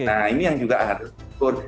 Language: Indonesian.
nah ini yang juga harus ikut